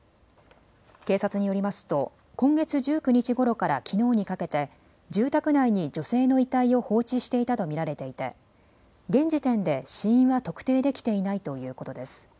警察によりますと今月１９日ごろからきのうにかけて住宅内に女性の遺体を放置していたと見られていて現時点で死因は特定できていないということです。